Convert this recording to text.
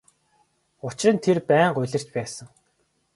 Учир нь тэр байнга улирч байсан.